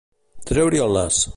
Treure-hi el nas.